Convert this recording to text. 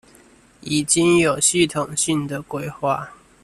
已經有系統性的規劃